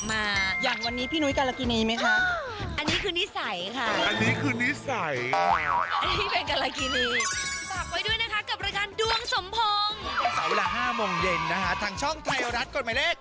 ไม่มีคนที่ฉันได้เยื่อพรหมดจาก